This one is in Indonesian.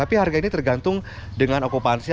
jadi harga ini tergantung dengan okupasitasnya